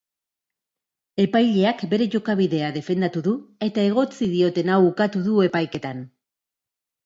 Epaileak bere jokabidea defendatu du eta egotzi diotena ukatu du epaiketan.